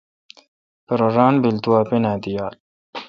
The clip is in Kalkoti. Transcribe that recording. پرہ ران بیل تو اپن اں تی یال۔